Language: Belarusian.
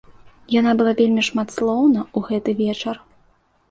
Яна была вельмі шматслоўна ў гэты вечар.